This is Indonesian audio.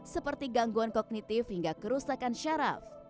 seperti gangguan kognitif hingga kerusakan syaraf